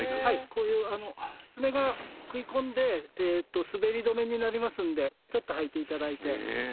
こういう爪が食い込んで滑り止めになりますのでちょっと履いて頂いて。